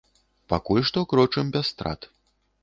Пакуль што крочым без страт.